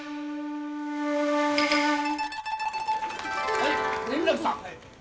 はい圓楽さん。